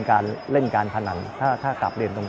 การเล่นการพนันถ้ากลับเรียนตรง